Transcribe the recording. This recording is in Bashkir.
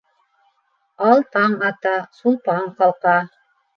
Ал таң ата, Сулпан ҡалҡа